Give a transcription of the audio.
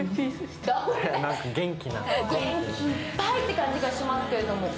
元気いっぱいって感じがしますけれども。